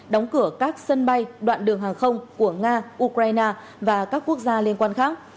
đóng cửa các sân bay đoạn đường hàng không của nga ukraine và các quốc gia liên quan khác